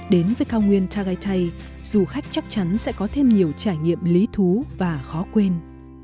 đến với cao nguyên tagaita du khách chắc chắn sẽ có thêm nhiều trải nghiệm lý thú và khó quên